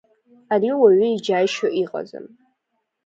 Ари уаҩы иџьаишьо иҟаӡам.